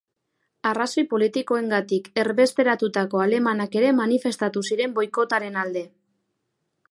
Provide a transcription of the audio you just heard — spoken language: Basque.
Arrazoi politikoengatik erbesteratutako alemanak ere manifestatu ziren boikotaren alde.